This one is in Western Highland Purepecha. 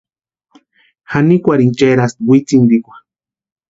Janikwarini cherasti witsintikwa.